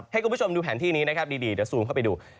ให้คุณผู้ชมดูแผนที่นี้นะครับดีเดี๋ยวซูมเข้าไปดู